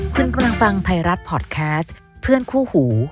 คุณกำลังฟังไทยรัฐพอร์ตแคสต์เพื่อนคู่หู